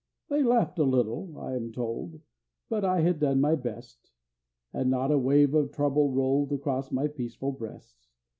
They laughed a little, I am told; But I had done my best; And not a wave of trouble rolled Across my peaceful breast.